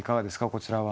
こちらは。